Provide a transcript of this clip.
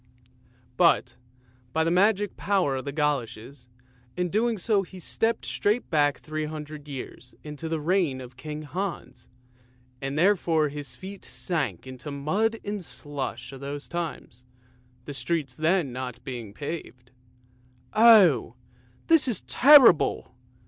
But, by the magic power of the goloshes, in doing so he stepped straight back three hundred years into the reign of King Hans, and therefore his feet sank into the mud and slush of those times, the streets then not being paved. "Oh! this is terrible!"